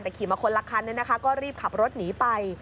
แต่ขี่มาคนละคันก็รีบขับรถหนีไป